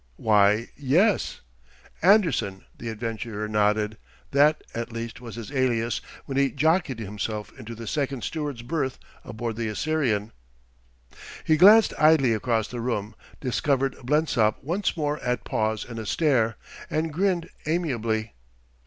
"Why, yes...." "Anderson," the adventurer nodded: "that, at least, was his alias when he jockeyed himself into the second steward's berth aboard the Assyrian." He glanced idly across the room, discovered Blensop once more at pause in a stare, and grinned amiably.